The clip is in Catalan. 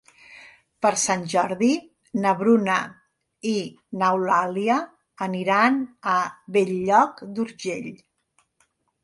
Per Sant Jordi na Bruna i n'Eulàlia aniran a Bell-lloc d'Urgell.